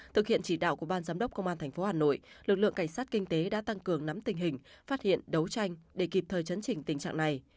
thực hiện chỉ đạo của ban giám đốc công an tp hà nội lực lượng cảnh sát kinh tế đã tăng cường nắm tình hình phát hiện đấu tranh để kịp thời chấn trình tình trạng này